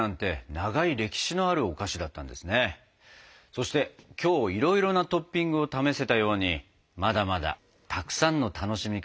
そして今日いろいろなトッピングを試せたようにまだまだたくさんの楽しみ方がありそうです。